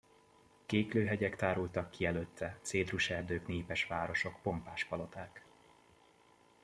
Kéklő hegyek tárultak ki előtte, cédruserdők, népes városok, pompás paloták.